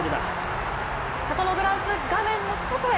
サトノグランツ、画面の外へ。